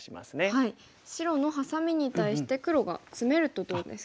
白のハサミに対して黒がツメるとどうですか？